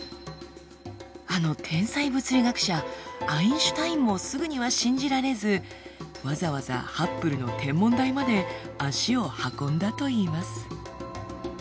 あの天才物理学者アインシュタインもすぐには信じられずわざわざハッブルの天文台まで足を運んだといいます。